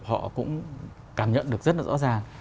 họ cũng cảm nhận được rất là rõ ràng